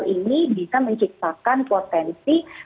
ini bisa menciptakan potensi